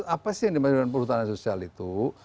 apa sih yang dimaksudkan perhutanan sosial itu